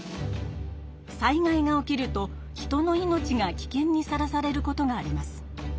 災害が起きると人の命がきけんにさらされることがあります。